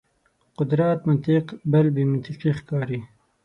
قدرت منطق بل بې منطقي ښکاري.